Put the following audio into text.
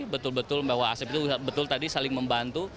betul betul bahwa asep itu betul tadi saling membantu